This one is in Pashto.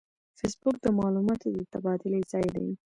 فېسبوک د معلوماتو د تبادلې ځای دی